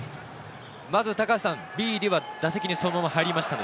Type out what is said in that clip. まずビーディは打席にそのまま入りましたね。